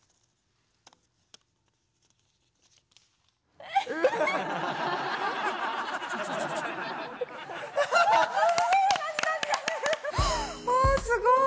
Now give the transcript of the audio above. えすごい。